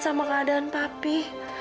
sama keadaan papi